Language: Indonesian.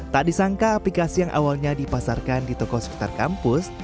tak disangka aplikasi yang awalnya dipasarkan di toko sekitar kampus